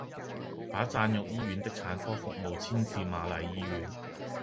把贊育醫院的產科服務遷至瑪麗醫院